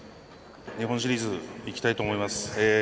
日本シリーズ行きたいと思います。